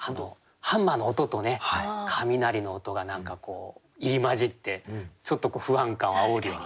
ハンマーの音とね雷の音が何かこう入り交じってちょっと不安感をあおるようなところありますね。